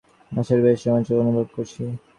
সে প্রায় এক দশক পরে ফিরে আসায় বেশ রোমাঞ্চ অনুভব করছি।